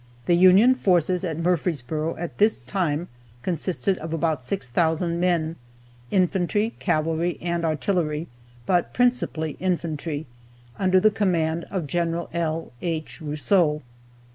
The Union forces at Murfreesboro at this time consisted of about 6,000 men, infantry, cavalry, and artillery, (but principally infantry,) under the command of Gen L. H. Rousseau.